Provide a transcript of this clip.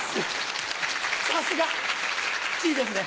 さすが！いいですね。